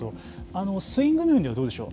スイング面ではどうでしょう。